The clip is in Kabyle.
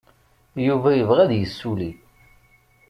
Yuba yebɣa ad yessulli.